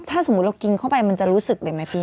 ถ้าสมมุติเรากินเข้าไปมันจะรู้สึกเลยไหมพี่